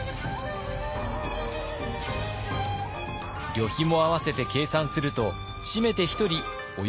旅費も合わせて計算すると締めて１人およそ８両。